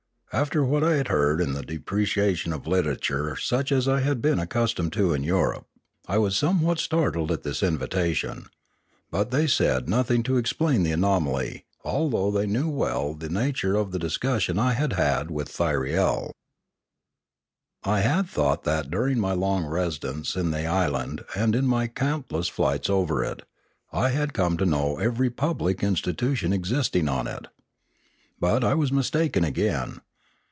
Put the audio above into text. After what I had heard in depreciation of literature such as I had been accusomed to in Europe, I was somewhat startled at this invitation. But they said nothing to explain the anomaly, although they knew well the nature of the discussion I had had with Thyriel. I had thought that, during my long residence in the island and in my countless flights over it, I had come to know every public institution existing on it. But I was mistaken again.